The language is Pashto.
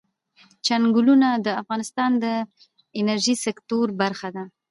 چنګلونه د افغانستان د انرژۍ سکتور برخه ده.